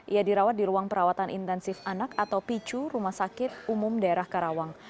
ia dirawat di ruang perawatan intensif anak atau picu rumah sakit umum daerah karawang